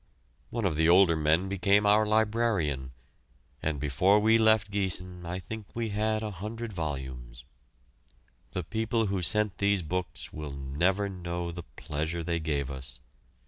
One of the older men became our librarian, and before we left Giessen I think we had a hundred volumes. The people who sent these books will never know the pleasure they gave us!